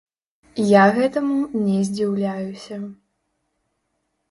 Я гэтаму не здзіўляюся.